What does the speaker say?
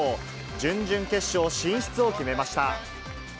準々決勝進出を決めました。